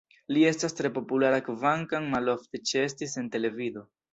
Li estis tre populara, kvankam malofte ĉeestis en televido.